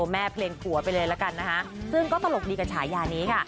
แม่เพลงผัวไปเลยละกันนะคะซึ่งก็ตลกดีกับฉายานี้ค่ะ